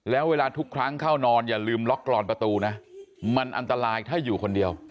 แล้วเวลาทุกครั้งเข้านอนอย่าลืมล็อกกรอนประตูนะมันอันตรายถ้าอยู่คนเดียว